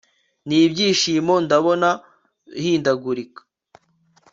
nibyishimo ndabona uhindagurika